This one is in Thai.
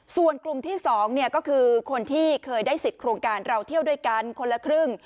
ส่วนกลุ่มที่๒ก็คือคนที่เคยได้สิทธิ์โครงการเราเที่ยวด้วยกันคนละครึ่ง